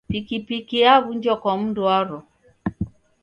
Pikipiki yaw'unjwa kwa mndu waro.